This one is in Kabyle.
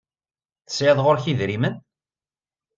Tesɛiḍ ɣur-k idrimen?